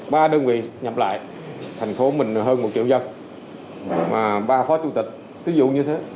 ba đơn vị nhập lại thành phố mình là hơn một triệu dân mà ba phó chủ tịch sử dụng như thế